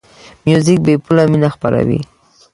موزیک بېپوله مینه خپروي.